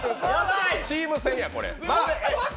チーム戦や、これ。